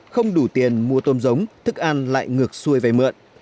không đủ tiền mua tôm giống thức ăn lại ngược xuôi về mượn